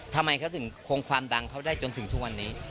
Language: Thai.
ทำไมเขาถึงคงความดังเขาได้จนถึงทุกวันนี้